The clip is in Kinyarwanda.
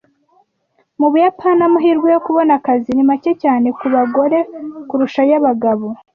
Mu Buyapani, amahirwe yo kubona akazi ni make cyane ku bagore kurusha ay'abagabo.